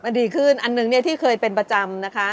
มันดีขึ้นอันหนึ่งเนี่ยที่เคยเป็นประจำนะคะ